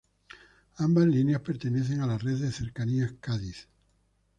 Ambas líneas pertenecen a la red de Cercanías Cádiz.